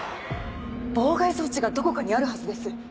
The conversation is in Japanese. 妨害装置がどこかにあるはずです！